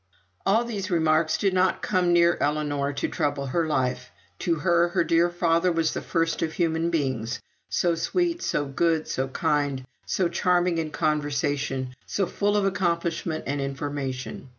All these remarks did not come near Ellinor to trouble her life. To her, her dear father was the first of human beings; so sweet, so good, so kind, so charming in conversation, so full of accomplishment and information!